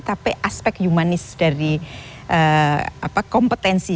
tapi aspek humanis dari kompetensi